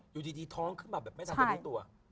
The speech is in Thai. อยู่ดีท้องขึ้นมาแบบไม่ทันจะรู้ตัว